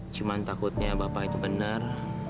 cuman takutnya bapak itu bener